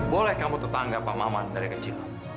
boleh kamu tetangga pak maman dari kecil